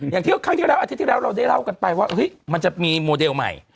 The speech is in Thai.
อย่างที่ทีละเราได้เล่ากันไปว่ามันจะมีโมเดลใหม่